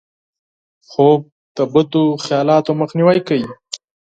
خوب د بدو خیالاتو مخنیوی کوي